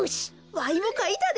わいもかいたで。